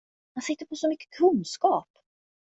Han sitter på så mycket kunskap.